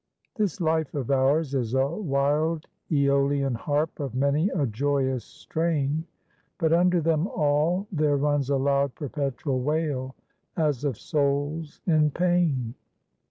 "This life of ours is a wild Aeolian harp of many a joyous strain; But under them all there runs a loud perpetual wail, as of souls in pain."